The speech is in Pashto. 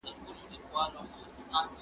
د محصلینو لیلیه په غلطه توګه نه تشریح کیږي.